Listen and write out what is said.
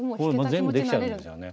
全部できちゃうんですよね。